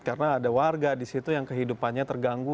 karena ada warga di situ yang kehidupannya terganggu